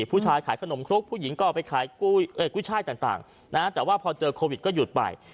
ผู้หญิงก็เอาไปขายกุ้ยช่ายต่างนะฮะแต่ว่าพอเจอโควิดก็หยุดไป